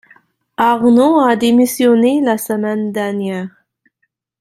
Arnaud a démissionné la semaine dernière.